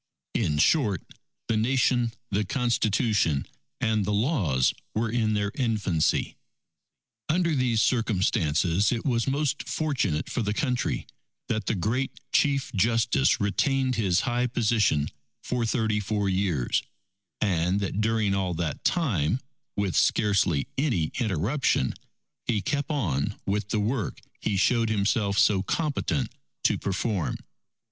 In short, the Nation, the Constitution, and the Laws were in their infancy. Under these circumstances, it was most fortunate for the Country, that the great Chief Justice retained his high position for thirty four years, and that during all that time, with scarcely any interruption, he kept on with the work he showed himself so competent to perform.